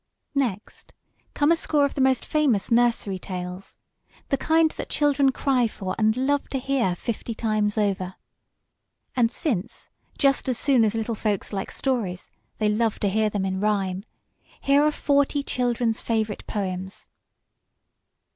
Next come a score of the most famous NURSERY TALES, the kind that children cry for and love to hear fifty times over. And since, just as soon as little folks like stories they love to hear them in rhyme, here are forty CHILDREN'S FAVORITE POEMS.